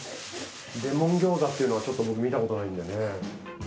レモン餃子っていうのはちょっと僕見たことないんでね。